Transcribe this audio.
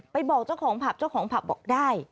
บอกเจ้าของผับเจ้าของผับบอกได้